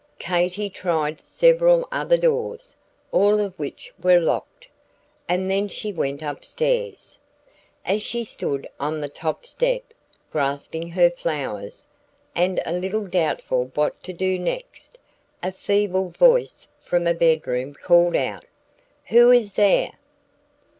Katy tried several other doors, all of which were locked, and then she went up stairs. As she stood on the top step, grasping her flowers, and a little doubtful what to do next, a feeble voice from a bed room called out: "Who is there?"